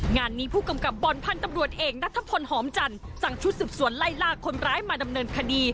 งานนี้ผู้กำกับบอลพันธุ์ตำรวจเอกนัทพลหอมจันทร์สั่งชุดสืบสวนไล่ลากคนร้ายมาดำเนินคดี